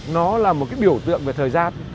nó là một biểu tượng về thời gian